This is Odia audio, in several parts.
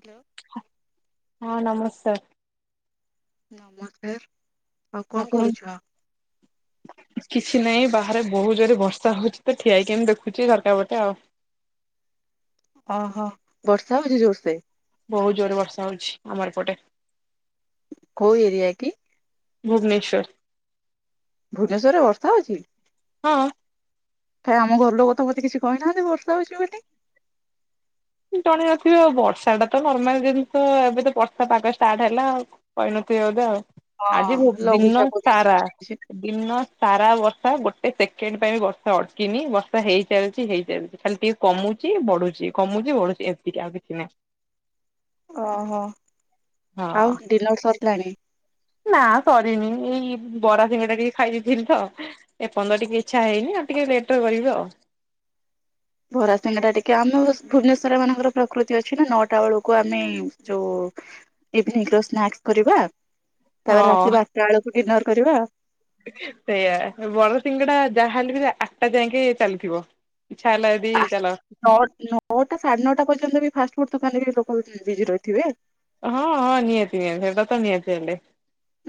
ହ୍ୟାଲୋ ହଁ ନମସ୍କାର। [unintelligible] ଆଉ କଣ କରୁଛ? [unintelligible] କିଛି ନାହିଁ ବାହାରେ ବହୁତ ଜୋରେ ବର୍ଷା ହଉଛି ତ ଠିଆଇକି ଏମିତି ଦେଖୁଛି ଝରକା ପଟେ ଆଉ। ଓହୋ ବର୍ଷା ହଉଛି ଜୋରସେ। ବହୁତ ଜୋର ବର୍ଷା ହଉଛି ଆମର ଏପଟେ। କୋଉ ଏରିଆ କି? ଭୁବନେଶ୍ୱର। ଭୁବନେଶ୍ଵରରେ ବର୍ଷା ହଉଛି। ହଁ। କାଇଁ ଆମ ଘର ଲୋକ ତ ମୋତେ କିଛି କହିନାହାନ୍ତି ବର୍ଷା ହେଉଛି ବୋଲ। ଜନେଇ ନଥିବି ଆଉ ବର୍ଷା ଟା ତ ନର୍ମାଲ ଜିନିଷ ଏବେ ତ ବର୍ଷା ପାଗ ଷ୍ଟାର୍ଟ ହେଲା ଆଉ। କହି ନଥିବେ ବୋଧେ ଆଉ ହଁ ଆଜି ଦିନ ଲଘୁଚାପ ବି ସାରା ସୃଷ୍ଟି ହେଇଛି। ଦିନ ସାରା ବର୍ଷା ଗୋଟେ ସେକେଣ୍ଡ ପାଇଁ ବି ବର୍ଷା ଅଟକିନି ବର୍ଷା ହେଇ ଚାଲିଛି ହେଇ ଚାଲିଛି ଖାଲି କମୁଛି ବଢୁଛି କମୁଛି ବଢୁଛି ଏତିକି ଆଉ କିଛି ନାହିଁ। ଓହୋ ହଁ। ଆଉ ଡିନର୍ ସରିଲାଣି। ନା ସରିନି ଏଇ ବରା ଶିଙ୍ଗଡା ଟିକିଏ ଖାଇ ଦେଇେଇଥିଲି ତ। ଏ ପଯ୍ୟନ୍ତ ଟିକେ ଇଛା ହେଇନି ଆଉ ଟିକେ ଲେଟ ରେ କରିବି ଆଉ। ବରାସିଙ୍ଗ ଟା ଟିକେ ଆମ ଭୁବନେଶ୍ୱର ମାନଙ୍କର ପ୍ରକୃତି ଅଛି ନା ନଅଟା ବେଳକୁ ଆମେ ଯୋଉ ଇଭିନିଂ ର ସ୍ନାକ୍ସ କରିବା ତାପରେ ହଁ ରାତି ବାରଟା ବେଳକୁ ଡିନର କରିବା। ସେଇୟା ବରା ସିିଙ୍ଗଡା ଯାହାହଲେ ବି ସେ ରାତି ଆଠଟା ଯାଇଏ ଚାଲିଥିବ। ଇଚ୍ଛା ହେଲା ଯଦି ଆ ଚାଲ ନ ନଅଟା ସାଢେ ନଅଟା ପର୍ଯ୍ୟନ୍ତ ବି ଫାଷ୍ଟ ଫୁଡ ଦୋକାନରେ ବି ଲୋକ [unintelligible] ବି ଜି ରହିଥିବେ। ହଁ ହଁ ନିହାତି ନିହାତି ସେଟା ତ ନିହାତି ହେଲେ।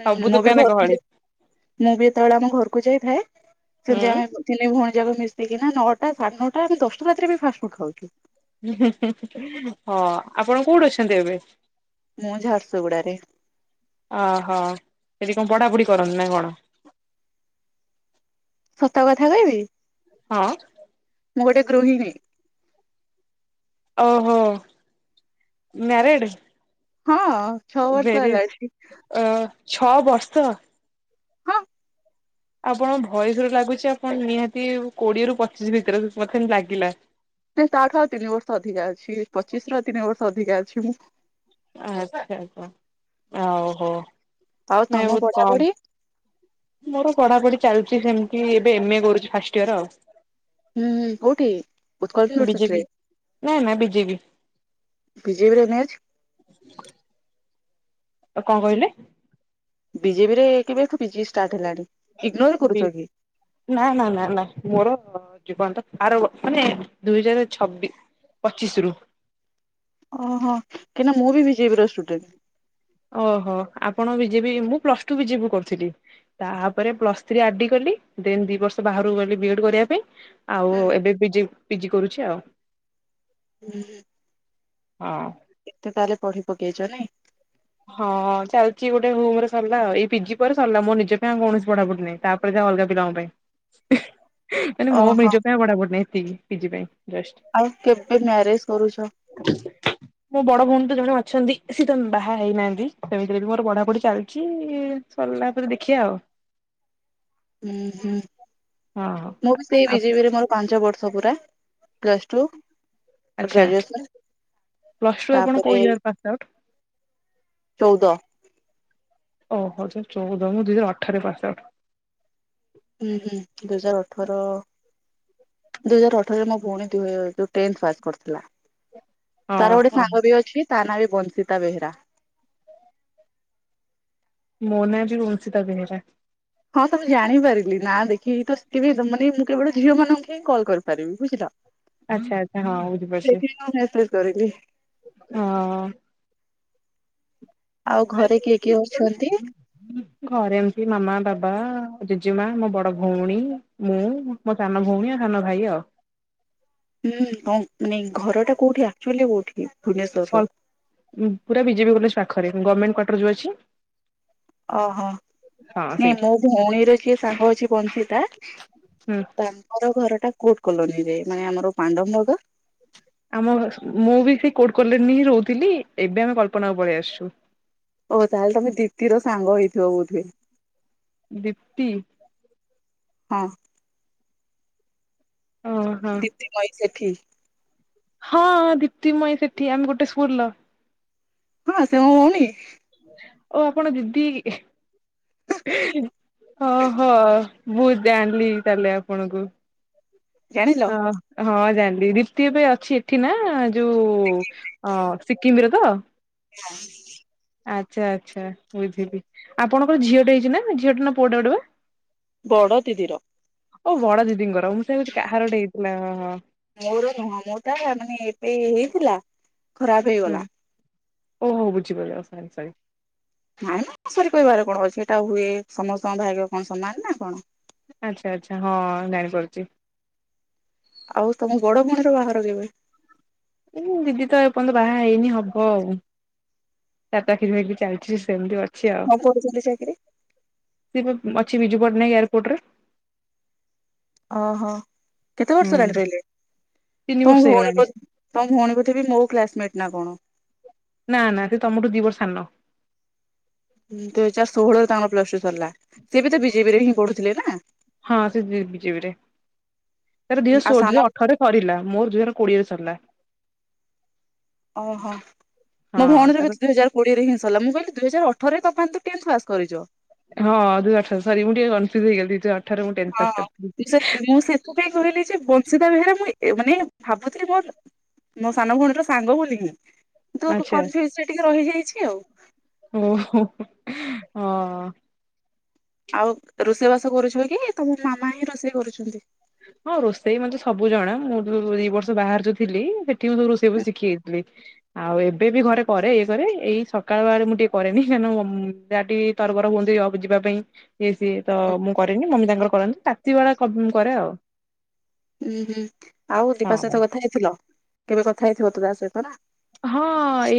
ସବୁ ହୁଁ ମୁଁ ବି ଦୋକାନ ଘ ଗହଳି ଯେ ମୁଁ ବି ଯେତେବେଳେ ଆମ ଘରକୁ ଯାଇଥାଏ ହୁଁ ସେମିତି ଆମେ ତିିନି ଭଉଣୀ ଯାକ ମିସିକି ନା ନଅଟା, ସାଢେ ନଅଟା, ଦଶଟା ରାତିରେ ବି ଫାଷ୍ଟଫୁଡ ଖାଉଚୁ। ଉଁ ହୁଁ ହୁଁ ହଁ। ଆପଣ କୋଉଠି ଅଛନ୍ତି ଏବେ? ମୁଁ ଝାରସୁଗୁଡା ରେ। ଓହୋ ସେଠି କଣ ପଢ଼ା ପଢ଼ି କରନ୍ତି ନା କଣ? ସତ କଥା କହିବି ହଁ ମୁଁ ଗୋଟେ ଗୃହିଣୀ। ଓହୋ ମ୍ୟାରେଡ। ହଁ ଛଅ ବର୍ଷ ଭେରି ହେଲାଣି। ଅ ଛଅ ବର୍ଷ। ହଁ ଆପଣଙ୍କ ଭଏସ ରୁ ଲାଗୁଚି ଆପଣ ନିହାତି କୋଡିଏ ରୁ ପଚିଶ ଭିତରେ ମତେ ଲାଗିଲା। ଉଁ ତା ଠୁ ଆଉ ତିନି ବର୍ଷ ଅଧିକା ଅଛି ପଚିଶ ରୁ ଆଉ ତିନି ବର୍ଷ ଅଧିକା ଅଛି ମୁଁ। ଆଚ୍ଛା ଆଚ୍ଛା ଆ ଓହୋ। ଆଉ ତମ ପଢା ପଢି? ମୋର ପଢା ପଢି ଚାଲିଛି ସେମିତି ଏବେ ଏମ ଏ କରୁଛି ଫାର୍ଷ୍ଟ ଇୟର ଆଉ। ହୁଁ ହୁଁ କୋଉଠି ଉତ୍କଳ ୟୁନିଭରସିଟି ବିଜେପି ରେ। ନାଇଁ ନା ବିଜେପି ବି ଜେ ବି ରେ ଏମ ଏ ଅଛି। ଏ କଣ କହିଲେ? ବି ଜେ ବି ରେ କେବେ ଠୁ ପି ଜି ଷ୍ଟାର୍ଟ ହେଲାଣି? ଇଗ୍ନୋରେ ବି କରୁଛ କି? ନା ନା ନା ନା ମୋର ଯିବନି ତ ଆର ମାନେ ଦୁଇ ହଜାର ଛବି ପଚିଶି ରୁ। ଓହୋ କାହିଁକି ନା ମୁଁ ବି ବି ଜେ ବି ର ଷ୍ଟୁଡେଣ୍ଟ। ଓହୋ ଆପଣ ବି ଜେ ବି ମୁଁ plus two B J B କରୁଥିଲି। ତାପରେ ପ୍ଲସ ଥ୍ରୀ ଆର ଡି କଲି ଦେନ୍ ଦି ବର୍ଷ ବାହାରକୁ ଗଲି ବି ଏ ଡ କରିବା ପାଇଁ। ଆଉ ଏବେ ବି ଜେ ପିଜି କରୁଛି ଆଉ। ହୁଁ। ହଁ। ଏତେ ତାହେଲେ ପଢି ପକେଇଛ ନାଇଁ। ହଁ ଚାଲିଛି ଗୋଟେ ହୋମ ରେ ସରିଲା ଏଇ ପି ଜି ପରେ ସରିଲା ମୋ ନିଜ ପାଇଁ ଆଉ କୌଣସି ପଢାପଢି ନାହିଁ। ତାପରେ ଯାହା ଅଲଗା ପିଲାଙ୍କ ପାଇଁ। ମାନେ ମୋ ଓହୋ ନିଜ ପାଇଁ ଆଉ ପଢା ପଢି ନାଇ ଏତିକି ପି ଜି ପାଇଁ ଜଷ୍ଟ। ଆଉ କେବେ ମ୍ୟାରେଜ କରୁଛ? ମୋ ବଡ ଭଉଣୀ ତ ଜଣେ ଅଛନ୍ତି। ସିଏ ତ ବାହା ବାହା ହେଇନାହାନ୍ତି ସେମିତିରେ ବି ମୋର ପଢାପଢି ଚାଲିଛି ସରିଲା ପରେ ଦେଖିଆ ଆଉ। ଉଁ ହୁଁ। ହଁ। ମୁଁ ବି ସେଇ ହଁ ବି ଜେ ବି ରେ ମୋର ପାଞ୍ଚ ବର୍ଷ ପୁରା ପ୍ଲସ୍ ଟୁ। ଆଚ୍ଛା। ଗ୍ରାଜୁଏସନ ପ୍ଲସ୍ ଟୁ ଆପଣ ତାପରେ କଉ ଇଅର ପାଶ ଆଉଟ? ଚଉଦ। ଓ ହୋ ଦୁଇ ହଜାର ଚଉଦ ମୁଁ ଦୁଇ ହଜାର ଅଠରରେ ପାଶ ଆଉଟ। ଉଁ ହୁଁ ଦୁଇ ହଜାର ଅଠର। ଦୁଇ ହଜାର ଅଠରରେ ମୋ ଭଉଣି ଦୁ ଯଉ ଟେନ୍ଥ ପାସ୍ କରିଥିଲା। ତାର ଗୋଟେ ଓହୋ ସାଙ୍ଗ ବି ଅଛି ତା ନାଁ ବି ବଂଶିତା ବେହେରା। ମୋ ନା ବି ବଂଶିତା ବେହେରା। ହଁ ତ ମୁଁ ଜାଣିପାରିଲି ନା ଦେଖିକି ସେଥିବି ମୁଁ କେବଳ ଝିଅ ମାନଙ୍କୁ ହିଁ କଲ୍ କରିପାରିବି ବୁଝିଲ। ଆଚ୍ଛା ଆଚ୍ଛା ହଁ ଉର୍ବଶି ସେଇଥିପାଇଁ ମୁଁ ମେସେଜ କରିଲି ହଁ। ଆଉ ଘରେ କିଏ କିଏ ଅଛନ୍ତି? ଘରେ ଏମିତି ମାମା, ବାବା, ଜେଜେମା ମୋ ବଡ ଭଉଣୀ ମୁଁ। ମୋ ସାନ ଭଉଣୀ ସାନ ଭାଇ ଆଉ। ହୁଁ ହ ମାନେ ଘର ଟା କୋଉଠି ଆକ୍ଚୁଆଲି କୋଉଠି ଭୁବନେଶ୍ଵରର? ପୁରା ବିଜେପି କଲେଜ ପାଖରେ ଗମେଣ୍ଟ କ୍ଵାଟର ଯୋଉ ଅଛି। ଓହୋ ହଁ ନାଇଁ ସେଇଠି ମୋ ଭଉଣୀର ଯିଏ ସାଙ୍ଗ ଅଛି ବଂଶିତା ହୁଁ। ତାଙ୍କର ଘର ଟା କୋଟ କଲୋନୀରେ ମାନେ ଆମର ପାଣ୍ଡବ ନଗର। ଆମ ମୁଁ ବି ସେଇ କୋର୍ଟ କଲେଜରେ ହିଁ ରହୁଥିଲି ଏବେ ଆମେ କଳ୍ପନା ପଳେଇ ଆସିଛୁ। ଓ ତାହେଲେ ତମେ ଦିଦି ର ସାଙ୍ଗ ହେଇଥିବ ବୋଧେ। ଦିପ୍ତି। ହଁ। ଓ ହଁ। ଦୀପ୍ତି ମୟୀ ସେଠି। ହଁଁ ଦୀପ୍ତି ମୟି ସେଠି ଆମେ ଗୋଟେ ସ୍କୁଲ ର। ହଁ ସେ ମୋ ଭଉଣୀ। ଓ ଆପଣ ଦିଦି ଓହୋ। ମୁ ଜାଣିଲି ତାହେଲେ ଆପଣଙ୍କୁ ଜାଣିଲ ହ। ହଁ ଜାଣିଲି ଦୀପ୍ତି ଏବେ ଅଛି ଏଠି ନା ଯୋଉ ଅ ସିକିମରେ ତ। ହଁ। ଆଚ୍ଛା ଆଚ୍ଛା, ବୁଝିଲି ଆପଣଙ୍କର ଝିଅଟେ ହେଇଛି ନା ଝିଅ ଟେ ନା ପୁଅଟେ ଗୋଟେ ପା। ବଡ ଦିଦିର। ଓ ବଡ ଦିଦିଙ୍କର ମୁଁ ସେୟା କହୁଛି କାହାର ଗୋଟେ ହେଇଥିଲା ହଁ ହଁ। ମୋର ନୁହଁ ମୋ ଟା ମାନେ ଏବେ ହେଇଥିଲା ଖରାପ ହେଇଗଲା। ଓ ହଉ ବୁଝିପାରିବ ସାଙ୍ଗ ସାଙ୍ଗ। ନାଇଁ ସରି କହିବାର କଣ ଅଛି ଏଟା ହୁଏ ସମସ୍ତଙ୍କ ଭାଗ୍ୟ କଣ ସମାନ ନା କଣ। ଆଚ୍ଛା ଆଚ୍ଛା ହଁ ଜାଣିପାରୁଛି। ଆଉ ତମ ବୋଡ ଭଉଣୀ ର ବାହାର କେବେ? ଉଁ ଦିଦି ତ ଏପର୍ଯ୍ୟନ୍ତ ବାହା ହେଇନି ହବ ଆଉ। ତା ଚାକିରୀ ଫାକିରୀ ଚାଲିଛି ସେମତି ମୁଁ କରୁଥିଲି ଚାକିରି। ସେ ଅଛି ବିଜୁ ପଟନାୟକଏୟାରପୋର୍ଟରେ। ଓହୋ କେତେ ବର୍ଷ ହୁଁ ହେଲାଣି ରହିଲେ ତିନି ତମ ବର୍ଷ ଭଉଣୀ ହେଇଗଲାଣି ତମ ଭଉଣୀକୁ ଥିବି ମୋ କ୍ଳାସମେଟ ନା କଣ? ନା ନା ସେ ତମଠୁ ଦିବର ସାନ। ଦୁଇ ହଜାର ଷୋହଳରେ ତାଙ୍କର ପ୍ଲସ ଟୁ ସରିଲା ସିଏ ବି ତ ବିଜେପିରେ ହିଁ ପଢୁଥିଲେ ନା। ହଁ ସେ ଯିବି ବିଜେବିରେ ତାର ଦୁଇ ହ ଆଉ ଶୋ ସାନ ଦୁଇ ଅଠରରେ ସରିଲା ମୋର ଦୁଇ ହଜାର କୋଡିଏରେ ସରଲା। ଓହୋ, ହଁ ମୋ ଭଉଣୀରେ ତାର ଦୁଇ ହଜାର କୋଡିରେ ହିଁସରଲା ମୁଁ କହିଲି ଦୁଇ ହଜାରଅଠରେ ତମମାନେ ଟେଥ ପାସ୍ କରିଚ। ହଁ ଦି ଆଠର ସରି ମୁଁ ଟିକେ କନଫୁଜ ହେଇଲି ଦିଇଅ ହଁ ହଁ। ମୁଁ ସେଥିପାଇଁ କହିଲି ଯେ ବଂଶିତା ବେହେରା ମୁଁ ମାନେ ଭାବୁ ଥିଲି ମୋ ମୋ ସାନ ଭଉଣୀର ସାଙ୍ଗ ବୋଲି ହିଁ ତୁ ଆଚ୍ଛା। କନଫିଜ୍ ରେ ଟିକେ ରହିଯାଇଛି ଆଉ। ଓହୋ ହଁ। ଆଉ ରୋଷେଇ ବାସ କରୁଛ କି ତମ ମାମା ହିଁ ରୋଷେଇ କରୁଛନ୍ତି। ହଁ ରୋଷେଇ ମତେ ସବୁ ଜଣା ମୁଁ ଯୋଉ ଦି ବର୍ଷ ବାହାର ଯୁ ଥିଲି ମୁଁ ରୋଷେଇ ବି ଶିଖି ଯାଇଥିଲି। ଆଉ ଏବେ ବି ଘରେ କରେ ଇଏ କରେ ଏଇ ସକାଳ ବଳେ ମୁଁ ଟିକେ କରେନି କାହିଁ ନା ଡା ତରବର ହୁଅନ୍ତିଉ ଯିବା ପାଇଁ। ଏ ସିଏ ତ ମୁଁ କରେନି ମମି ତାଙ୍କର କରନ୍ତି ରାତି ବା କରେ ଆଉ। ହୁଁ ହୁଁ ଆଉ ଦୀପା ହଁ। ସହିତ କଥା ହେଇଥିଲ କେବେ କଥା ହେଇଥିବ ତୁ ତା ସହିତ ନା। ହଁ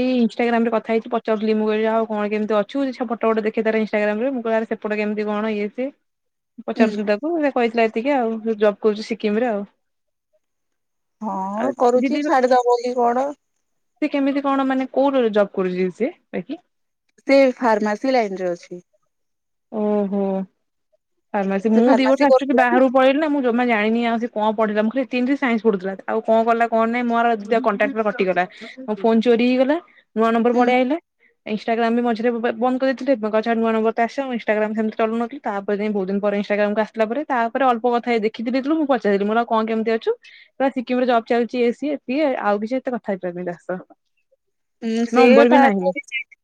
ଏଇ ଇନଷ୍ଟାଗ୍ରାମ ରେ କଥା ହେଇଛି ପଚାରୁ ଫିଲ୍ମ ଆଉ କଣ କେମିତି ଅଛୁ ଟ ଦେଖତାର ଇନଷ୍ଟାଗ୍ରାମରେ ମୁଁ କ ସେପଟ କେମିତି କଣ ଇଏ ସିଏ। ପଚାରୁ ଥିଲୁ ତାକୁ ସେ କହିଥିଲା ଏତିକି ଆଉ ଜବ କରୁଛି ସିକିମ ରେ ଆଉ। ଆଉ ହଁ ଦିଦି କରୁଛି ଛାଡିଦବ ବୋଲି କଣ? ସେ କେମିତି କଣ ମାନେ କୋଉଦରେ ଜବ୍ କରୁଛି ସିଏ ବାକି। ସେ ଫାର୍ମାସି ଲାଇନରେ ଅଛି। ଓହୋ ଫାର୍ମାସି ସେ ମୁଁ ଦି ଫାର୍ମାସି ବର୍ଷ ଆକଚୁଆଲି କରୁଥିଲା ବାହାରୁ ପଢିଲା ମୁଁ ଜମା ଜାଣିନି ଆଉ ସେ କଣ ପଢିଲା ମୁଁ ସେ ତିନିିନ ସାଇନ୍ସ ପଢୁଥିଲା ଆଉ କଣ କଲା କଣ ନାହିଁ ମୋର କଣ୍ଟାକ୍ଟ ର ଗଲା ମୋ ଫୋନ ଚୋରି ହେଇଗଲା ନୂଆ ନମ୍ବର ହୁଁ ବଢିଆଇଲା ଇନଷ୍ଟାଗ୍ରାମ ବି ମଝିରେ ବନ୍ଦ କରିଥିଲଥିଲୋ ନୂ ନବର ତ ଆସିବ ଇନଷ୍ଟାଗ୍ରାମ ସେମତି ଚଳୁନଥିଲଥିଲ ତା [unintelligible] ବହୁତ ଦିନ ପରେ ଇନଷ୍ଟାଗ୍ରାମକୁ ଆସିଲା ପରେ ତାପରେ ଅଳପ କଥା ହେ ଦେଖିଥିଲୁ ମୁଁ ପଚାରଥିଲିଁ କଣ କେମିତି ଅଛୁ। ପୁରା ସିକିମରେ ଜବ୍ ଚାଲିଚି ଇଏ ସିଏ ଆଉ କିଛି ଏତେ କଥା ହେଇପାରାରୁନି ତା ସହ। ଉଁ ସେ ନମ୍ବର ବି ତା ନାହିଁ [unintelligible]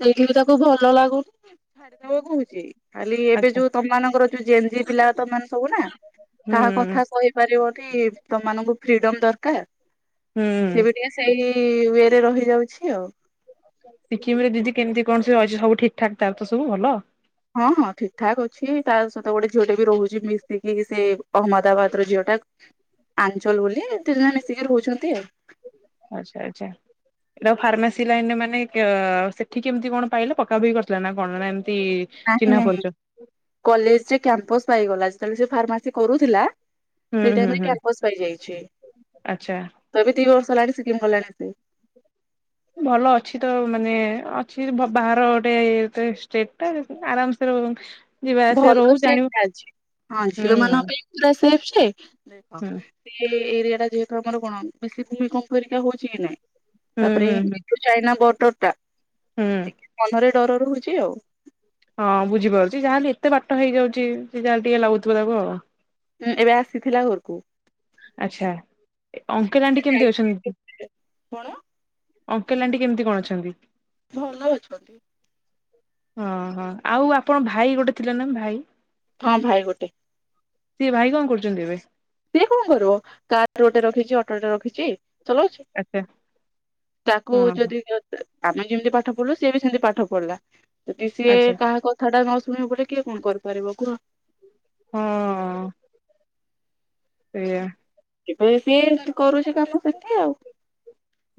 ସେଇଠି ତ ତାକୁ ଭଲ ଲାଗୁନି ଛାଡିଦବ କହୁଚି। ଖାଲି ଏବେ ଆଚ୍ଛା ଯୋଉ ତମମାନଙ୍କର ଯୋଉ ଜେନଜି ପିଲା ତମ ସବୁ ନା କାହା ହୁଁ କଥା ସହି ପାରିବନି ତମମାନଙ୍କୁ ଫ୍ରିଡମ ଦରକାର ହୁଁ। ସେ ବି ଟିକେ ସେଇ ୱେରେ ରହିଯାଉଛି ଆଉ। ସିକିମରେ ଦିଦି କେମିତି କଣ ସିଏ ରହିଛି ସବୁ ଠିକ୍ ଠାକ୍ ତାର ତ ସବୁ ଭଲ। ହଁ ହଁ ଠିକ୍ ଠାକ୍ ଅଛି ତା ସହିତ ଗୋଟେ ଝିଅଟେ ବି ରହୁଚି ମିଶିକି ସେ ଅହମ୍ମଦାବାଦର ଝିଅ ଟା। ଆଞ୍ଚଲ ବୋଲି ତ୍ରିନାଲି ସେ ରହୁଛନ୍ତି ଆଉ। ଆଚ୍ଛା ଆଚ୍ଛା। ଏଟା ଫାର୍ମାସି ଲାଇନରେ ମାନେ କେ‌ ସେଠି କେମିତି କଣ ପାଇଲା ପକ୍କା ବି କରିଥିଲା ନା କଣ ନା ଏମିତି ନାହିଁ ଚିହ୍ନା ନାହିଁ ପରିଚୟ କଲେଜରେ କ୍ୟାମ୍ପସ୍ ପାଇଗଲା ସେତେବେଳେ ସେ ଫାର୍ମାସି କରୁଥିଲା ହୁଁ ସେଇ ହୁଁ ଟାଇମରେ ହୁଁ କ୍ୟାମ୍ପସ୍ ପାଇଯାଇଛି ଆଚ୍ଛା। ତ ଏବେ ଦି ବର୍ଷ ହେଲାଣି ସିକିମ ଗଲାଣି ସେ। ଭଲ ଅଛି ତ ମାନେ ଅଛି ବାହାର ଗୋଟେ ଇଏ ତ ଷ୍ଟେଟ୍ ଟା ଆରାମସେ ରହୁ ଯିବା ଆସିବା ଭଲ ଜାଣିବୁ ସେଟା ଅଛି ହଁ ହୁଁ ଝିଅମାନଙ୍କ ପାଇଁ ପୁରା ସେଫ୍ ଯେ ଦେଖ ହୁଁ ସେ ଏରିଆଟା ଯେହେତୁ ଆମର କଣ ବେଶୀ ଭୂମିକମ୍ପ ପରିକା ହଉଛି କି ନାଇଁ ହୁଁ ତାପରେ ହୁଁ ହୁଁ ଚାଇନା ବଡରଟା ହୁଁ। ଟିକେ ମନରେ ଡର ରହୁଚି ଆଉ। ହଁ ବୁଝିପାରୁଚି ଯାହେଲେ ଏତେ ବାଟ ହେଇଯାଉଚି ଯାହା ଟିକେ ଲାଗୁଥିବ ତାକୁ ଆଉ। ଉଁ ଏବେ ଆସିଥିଲା ଘରକୁ। ଆଚ୍ଛା ଏ ଅଙ୍କଲ ଆଣ୍ଟି ଆସିଥିଲା କେମିତି ଅଛନ୍ତି? ଯାଇଛି କଣ ଅଙ୍କଲ ଆଣ୍ଟି କେମିତି କଣ ଅଛନ୍ତି? ଭଲ ଅଛନ୍ତି। ହଁ ହଁ ଆଉ ଆପଣ ଭାଇ ଗୋଟେ ଥିଲା ନା ଭାଇ। ହଁ ଭାଇ ଗୋଟେ। ସିଏ ଭାଇ କଣ କରୁଚନ୍ତି ଏବେ? ସିଏ କଣ କରିବ କାର ଗୋଟେ ରଖିଚି ଅଟୋଟେ ରଖିଚି। ଚଲୋଉଛି ଆଚ୍ଛା ତାକୁ ହଁ ଯଦି ଜ ଦେ ଆମେ ଯେମିତି ପାଠ ପଢଲୁ ସିଏ ବି ସେମିତି ପାଠ ପଢଲା ଯଦି ସିଏ ଆଚ୍ଛା କାହା କ ଥାଟା ନ ଶୁଣିବ ବୋଲି କିଏ କଣ କରିପାରିବ କୁହ? ହଁ। ଏଇୟା। କେବେଳେ ସିଏ ଏମତି କରୁଚି କାମ ସେଠି ଆଉ।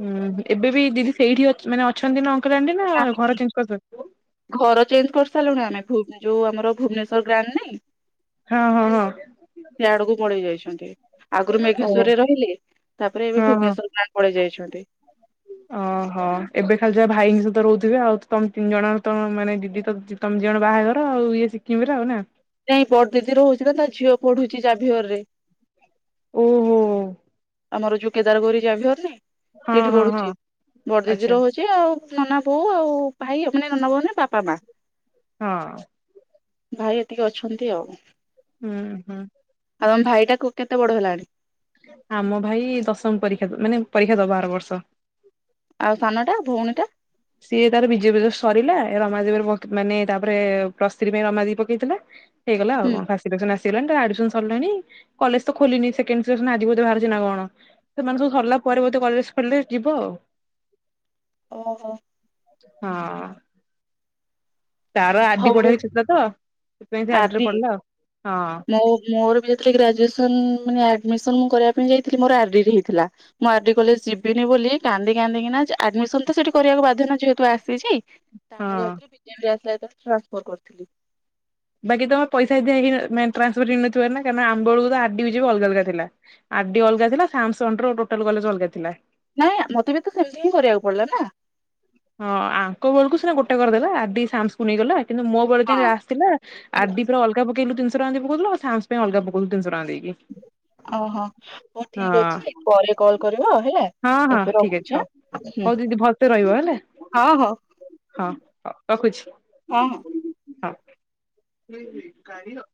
ଉଁ ହୁଁ ଏବେ ବି ଦିଦି ସେଇଠି ଅଛ୍ ମାନେ ଅଛନ୍ତି ନା ଅଙ୍କଲ ଆଣ୍ଟି ନା ଆମେ ଘର ଚେଣ୍ଜ କରଦେଲେ? ଘର ଚେଞ୍ଜ କରିସାଇଲୁଣି ଆମେ ଭୁବ ଯୋଉ ଆମର ଭୁବନେଶ୍ଵର ଗ୍ରାଣ୍ଡ ନାଇଁ ହଁ ହଁ ହଁ ସେ ଆଡକୁ ପଳେଇ ଯାଇଛନ୍ତି। ଆଗରୁ ଓହୋ ମେଘେଶ୍ଵରରେ ରହିଲେ। ତାପରେ ଏବେ ଭୁବନେଶ୍ୱର ଗାଁ କୁ ପଳେଇଯାଇଛନ୍ତି। ଅହ ଏବେ ଖାଲି ଯାହା ଭାଇଙ୍କ ସହିତ ରହୁଥିବେ ଆଉ ତମ ତିନି ଜଣ ତ ମାନେ ଦିଦି ତ ଯି ତମେ ଦି ଜଣ ବାହାଘର ଆଉ ଇଏ ସିକିମରେ ଆଉ ନା? ନାଇଁ ବଡଦିଦିର ହୋଉଚି ନା ତା ଝିଅ ପଢୁଚି ଯାଭିିଅରରେ। ଓହୋ। ଆମର ଯୋଉ କେଦାରଗୌରୀ ଯାଭିଅରରେ ହଁ ସେଇଠି ହଁ ହଁ ବଢ଼ୁଚି। ଆଚ୍ଛା ବଡଦିଦିର ହୋଉ ଚି ଆଉ ନନା ବୋଉ ଆଉ ଭାଇ ମାନେ ନନା ବୋଉମାନେ ବାପା ମା। ହଁ। ଭାଇ ଏତିକି ଅଛନ୍ତି ଆଉ। ହୁଁ ହୁଁ। ଆଉ ଆମ ଭାଇଟାକୁ କୋ କେତେ ବଡ ହେଲାଣି? ଆମ ଭାଇ ଦଶମ ପରୀକ୍ଷା ମାନେ ପରୀକ୍ଷା ଦବ ଆର ବର୍ଷ‌। ଆଉ ସାନଟା ଭୋଉଣୀଟା? ସିଏ ତାର ବିଜେପିରେ ସରିଲା ଏ ରମାଦେବି ରେ ପକ୍ ମାନେ ତାପରେ ପ୍ରସ ଥ୍ରୀ ପାଇଁ ରମାଦେବୀ ପକେଇଥିଲା। ହେଇଗଲା ଆଉ ହୁଁ। କଣ ଫାଷ୍ଟ ସିଲେକ୍ସନ ଆସ ଗଲାଣି। ତା ଆଡିମିସନ ସରଲାଣି। କଲେଜ ତ ଖୋଲିିନି ସେକେଣ୍ଡ ଫେଜ୍ ନା ଆଜି ବୋଧେ ବାହାରୁଚି ନା କଣ? ସେମାନେ ସବୁ ସରଲା ପରେ ବୋଧେ କଲେଜ ଖୋଲିଲେ ଯିବ ଆଉ। ଓହୋ ହଁ ତାର ଆର ଡି ହଉ ପଢ଼ିବାର ଇଚ୍ଛା ଥିଲା ତ। ସେଥିପାଇଁ ସେ ଆର ଡିରେ ପଢିଲା ଆଉ। ହଁ। ମୁଁ ମୋର ବିଯେ ଗ୍ରାଜୁଏସନ ଆଡମିସନ ମୁଁ ମାନେ ଆଡ଼ମିସନ କରିବା ପାଇଁ ଯାଇଥିଲି ମୋର ଆର ଡି ବି ହେଇଥିଲା। ମୁଁ ଆର ଡି କଲେଜ ଯିବିନି ବୋଲି କାନ୍ଦି କାନ୍ଦି କିନା ଆଡମିସନ ତ ସେଠି କରିବାକୁ ବାଧ୍ୟ ଯେହେତୁ ଆସିଛି। ତାପରେ ହଁ। ଆଉ ଥରେ ବିଜେବିରେ ଆସିଲା ଯେତେବେଳେ ଟ୍ରାନ୍ସଫର କରଥିଲି। ବାକି ତମେ ପଇସା ଏସବି ହେ ଟ୍ରାସଫର ହେଇନଥିବାର କାରଣ ଆମ ବେଳକୁ ଆର ଡି ବିଜେବି ଅଲଗା ଅଲଗା ଥିଲା। ଆର ଡି ଅଲଗା ଥିଲା ସାମସ ଅଣ୍ଡର ଟୋଟାଲ କଲେଜ ଅଲଗା ଥିଲା। ନାଇଁ ମତେ ବି ତ ସେମତି ହିଁ କରିବାକୁ ପଡଲା ନା। ହଁ ଆଙ୍କ ବୋଳୁକୁ ସିନା ଗୋଟେ କରଦେଲା। ଆର ଡି ସାମସକୁ ନେଇ ଗଲା। କିନ୍ତୁ ମୋ ହଁ ଯେମିତି ଆସ ଥିଲା ଆର ଡି ପୁରା ଅଲଗା ପକେଇଲୁ ତିିନିଶହ ଟଙ୍କା ପକୋଉଥିଲ ଆଉ ସାମସ ପାଇଁ ଅଲଗ ପକୋଉଥିଲୁ ତିନିଶହ ଟଙ୍କ ଦେଇକି। ଅହ ହୋଉ ହଁ ଠିକ ଅଛି ପରେ କଲ କରିବ ହେଲା? ହଁ ହଁ ଏବେ ଠିକ ଅଛି ରଖୁଛି ଆଁ ହଉ ହୁଁ ହଉ ଦିଦି ଭଲସେ ରହିବ ହେଲା? ହଁ ହଉ ହଁ ହଁ ରଖୁଛି? ହଁହଁ। ହଁ।